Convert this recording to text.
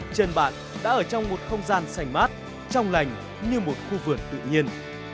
trên bạn đã ở trong một không gian xanh mát trong lành như một khu vườn tự nhiên